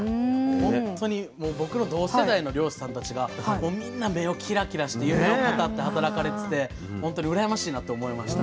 ほんとに僕と同世代の漁師さんたちがもうみんな目をキラキラして夢を語って働かれててほんとに羨ましいなと思いました。